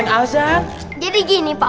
nah ini saat knano kali ini ya terjelak